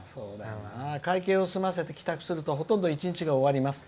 「会計を済ませて帰宅するとほとんど一日が終わります。